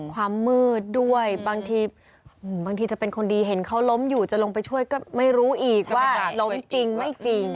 ความมืดด้วยบางทีบางทีจะเป็นคนดีเห็นเขาล้มอยู่จะลงไปช่วยก็ไม่รู้อีกว่าล้มจริงไม่จริง